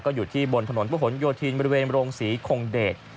อยู่ที่บนถนนพระหลโยธินบริเวณโรงศรีคงเดช